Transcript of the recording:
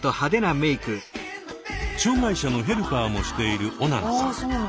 障害者のヘルパーもしているオナンさん。